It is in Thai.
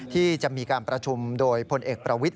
ที่จะมีการประชุมโดยพลเอกประวิทธ